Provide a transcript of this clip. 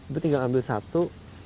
bu tinggal ambil satu